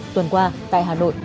tuần qua tại hà nội